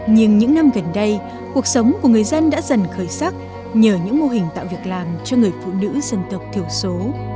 nhưng những năm gần đây cuộc sống của người dân đã dần khởi sắc nhờ những mô hình tạo việc làm cho người phụ nữ dân tộc thiểu số